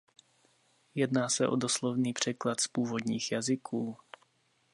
Jedná se o doslovný překlad z původních jazyků.